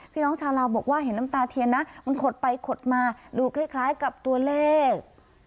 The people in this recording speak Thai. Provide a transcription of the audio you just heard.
พี่น้องชาวลาวบอกว่าเห็นน้ำตาเทียนนะมันขดไปขดมาดูคล้ายกับตัวเลข